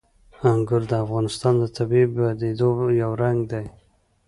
انګور د افغانستان د طبیعي پدیدو یو رنګ دی.